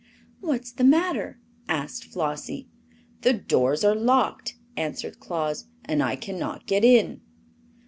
"What's the matter?" asked Flossie. "The doors are locked," answered Claus, "and I can not get in."